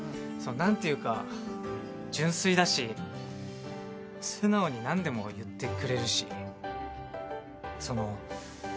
何ていうか純粋だし素直に何でも言ってくれるしその。